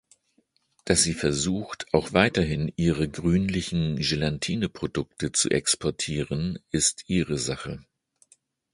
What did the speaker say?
Dass sie versucht, auch weiterhin ihre grünlichen Gelatineprodukte zu exportieren, ist ihre Sache.